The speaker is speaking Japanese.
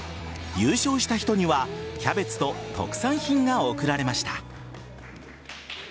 優勝した人にはキャベツと特産品が贈られました。